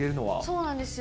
そうなんですよ。